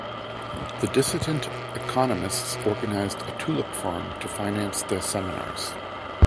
The dissident economists organized a tulip farm to finance their seminars.